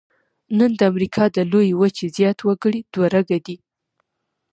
نن د امریکا د لویې وچې زیات وګړي دوه رګه دي.